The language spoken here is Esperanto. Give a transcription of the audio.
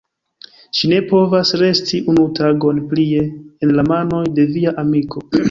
Ŝi ne povas resti unu tagon plie en la manoj de via amiko.